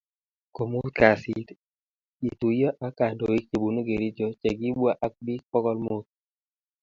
Komut kasit, kituyo ak kandoik che bunu Kericho che kibwaa ak bik pokol mut